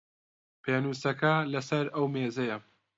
پێنووسەکە لە سەر ئەو مێزەیە.